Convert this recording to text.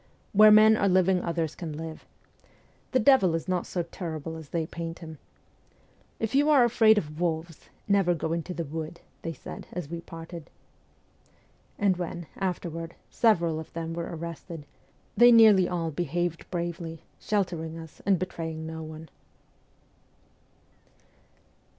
'Where men are living others can live.' ' The devil is not so terrible as they paint him.' 'If you are afraid of wolves, never go into the wood,' they said as we parted. And when, afterward, several of them were arrested, they nearly all behaved bravely, sheltering us and betraying no one.